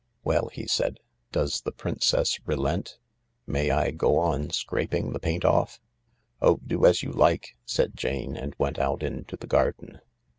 "Well," he said, "does the princess relent? May I go on scraping the paint off ?"" Oh, do as you like I " said Jane, and went out into the garden.